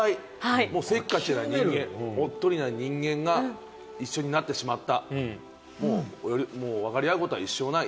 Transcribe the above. せっかちな人間、おっとりな人間が一緒になってしまった、わかり合うことは一生ない。